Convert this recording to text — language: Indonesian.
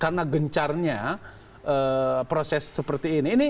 karena gencarnya proses seperti ini